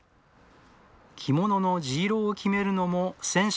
着物の地色を決めるのも染匠の仕事。